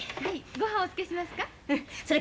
ごはんおつけしますか？